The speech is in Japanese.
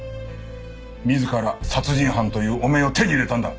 自ら殺人犯という汚名を手に入れたんだ！